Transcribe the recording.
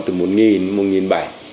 từ một đến một bảy trăm linh